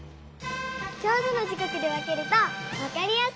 ちょうどの時こくで分けるとわかりやすい！